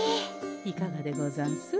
いかがでござんす？